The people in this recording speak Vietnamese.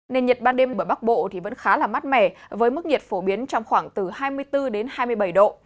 nên nhiệt ban đêm ở bắc bộ vẫn khá là mát mẻ với mức nhiệt phổ biến trong khoảng từ hai mươi bốn đến hai mươi bảy độ